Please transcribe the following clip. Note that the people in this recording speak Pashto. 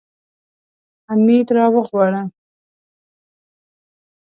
حميد راوغواړه.